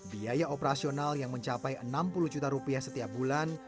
biaya operasional yang mencapai enam puluh juta rupiah setiap bulan